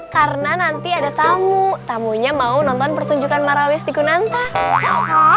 karena nanti ada tamu tamunya mau nonton pertunjukan marawis di kunanta